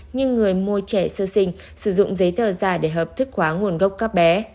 như người mua trẻ sơ sinh sử dụng giấy tờ giả để hợp thức hóa nguồn gốc các bé